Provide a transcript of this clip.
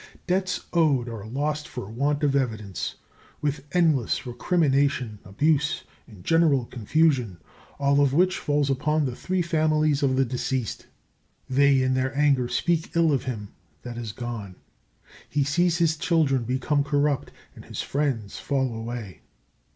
Debts owed are lost for want of evidence, with endless recriminations, abuse, and general confusion, all of which falls upon the three families of the deceased. They in their anger speak ill of him that is gone. He sees his children become corrupt, and his friends fall away.